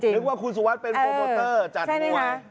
นึกว่าคุณสุวัสดิเป็นโปรโมเตอร์จัดมวย